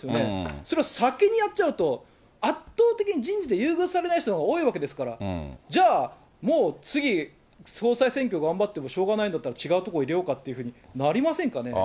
それを先にやっちゃうと、圧倒的に人事で優遇されない人のほうが多いわけですから、じゃあもう次、総裁選挙頑張ってもしょうがないんだったら違うところ入れようかってなりませんかね。